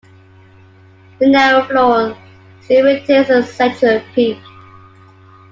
The narrow floor still retains a central peak.